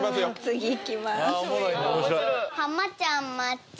次いきます